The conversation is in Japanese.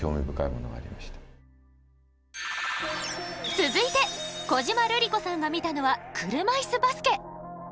続いて小島瑠璃子さんが見たのは「車いすバスケ」！